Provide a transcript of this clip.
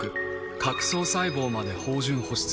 角層細胞まで豊潤保湿。